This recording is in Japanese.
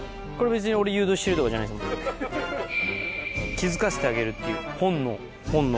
気付かせてあげるっていう本能本能。